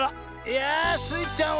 いやあスイちゃん